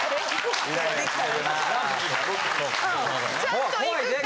ちゃんと行くから。